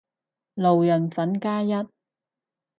路人粉加一